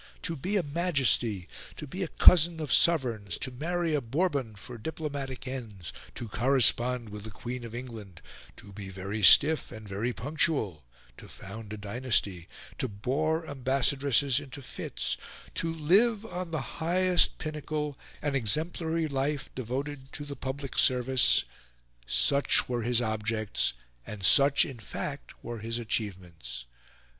To be a Majesty, to be a cousin of Sovereigns, to marry a Bourbon for diplomatic ends, to correspond with the Queen of England, to be very stiff and very punctual, to found a dynasty, to bore ambassadresses into fits, to live, on the highest pinnacle, an exemplary life devoted to the public service such were his objects, and such, in fact, were his achievements.